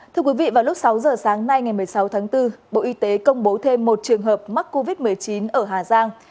thưa quý vị vào lúc sáu giờ sáng nay ngày một mươi sáu tháng bốn bộ y tế công bố thêm một trường hợp mắc covid một mươi chín ở hà giang